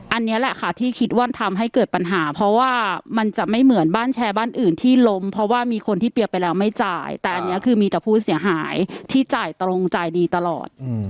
อันนี้แหละค่ะที่คิดว่าทำให้เกิดปัญหาเพราะว่ามันจะไม่เหมือนบ้านแชร์บ้านอื่นที่ล้มเพราะว่ามีคนที่เปรียบไปแล้วไม่จ่ายแต่อันนี้คือมีแต่ผู้เสียหายที่จ่ายตรงจ่ายดีตลอด